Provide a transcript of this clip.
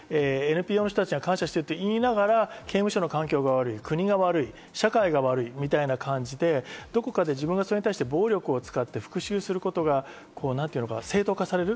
ＮＰＯの人たちには感謝していると言いながら刑務所の環境が悪い、国が悪い、社会が悪いみたいな感じで、どこかで自分がそれに対して暴力を使って復讐することが正当化される。